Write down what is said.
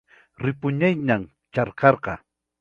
Ripukunayñam kachkarqa.